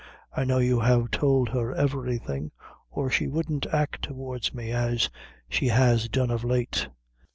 I know you have tould her everything, or she wouldn't act towards me as she has done of late."